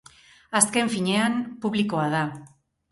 Azken finean, publikoa da.